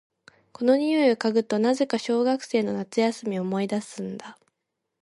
この匂いを嗅ぐと、なぜか小学生の夏休みを思い出すんだ。